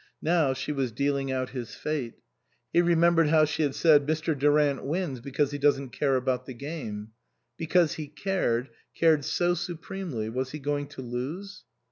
Now she was dealing out his fate. He remembered how she had said, " Mr. Du rant wins because he doesn't care about the game." Because he cared cared so supremely was he going to lose